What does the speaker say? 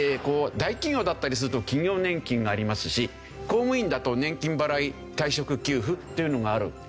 大企業だったりすると企業年金がありますし公務員だと年金払い退職給付っていうのがある。